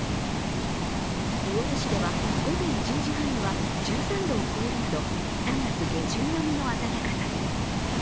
魚津市では、午前１０時半には１３度を超えるなど３月下旬並みの暖かさに。